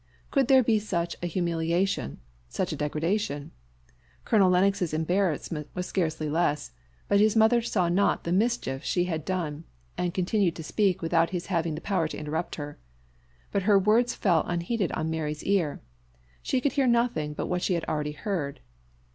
Could there be such a humiliation such a degradation? Colonel Lennox's embarrassment was scarcely less; but his mother saw not the mischief she had done, and she continued to speak without his having the power to interrupt her. But her words fell unheeded on Mary's ear she could hear nothing but what she had already heard.